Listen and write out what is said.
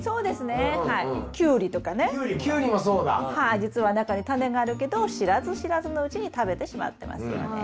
じつは中にタネがあるけど知らず知らずのうちに食べてしまってますよね。